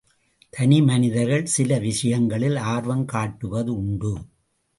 தனி மனிதர்கள் சில விஷயங்களில் ஆர்வம் காட்டுவது உண்டு.